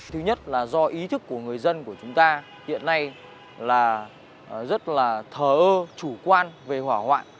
thứ nhất là do ý thức của người dân của chúng ta hiện nay là rất là thờ ơ chủ quan về hỏa hoạn